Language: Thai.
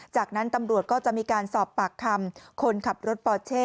จากนั้นตำรวจก็จะมีการสอบปากคำคนขับรถปอเช่